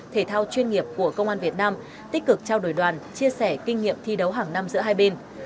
thể thao chuyên nghiệp của công an việt nam tích cực trao đổi đoàn chia sẻ kinh nghiệm thi đấu hàng năm giữa hai bên